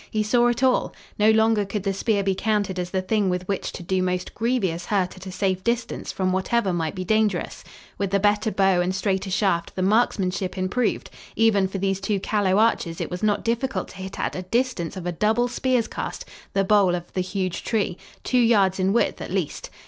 He saw it all! No longer could the spear be counted as the thing with which to do most grievous hurt at a safe distance from whatever might be dangerous. With the better bow and straighter shaft the marksmanship improved; even for these two callow archers it was not difficult to hit at a distance of a double spear's cast the bole of the huge tree, two yards in width at least.